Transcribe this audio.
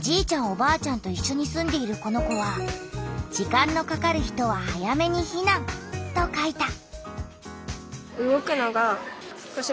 おばあちゃんといっしょに住んでいるこの子は「時間のかかる人は早めにひなん」と書いた。